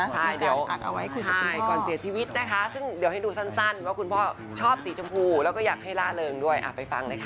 ใช่เดี๋ยวใช่ก่อนเสียชีวิตนะคะซึ่งเดี๋ยวให้ดูสั้นว่าคุณพ่อชอบสีชมพูแล้วก็อยากให้ล่าเริงด้วยไปฟังเลยค่ะ